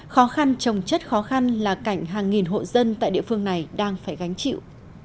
khó khăn trồng chất khó khăn là cảnh hàng nghìn hộ dân tại địa phương này đang phải gánh chịu